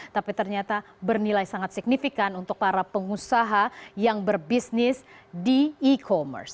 tapi ternyata bernilai sangat signifikan untuk para pengusaha yang berbisnis di e commerce